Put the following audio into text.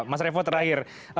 mas revo terakhir